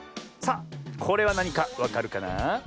さあこれはなにかわかるかなあ？